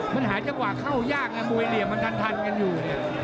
มันหายจำกว่าเข้ายากมุยเหลี่ยมมันทันกันอยู่